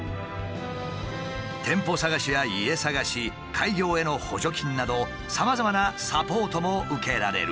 店舗探しや家探し開業への補助金などさまざまなサポートも受けられる。